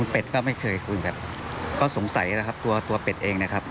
เป็ดก็ไม่เคยคุยกันก็สงสัยนะครับตัวตัวเป็ดเองนะครับ